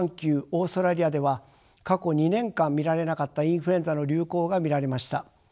オーストラリアでは過去２年間見られなかったインフルエンザの流行が見られました。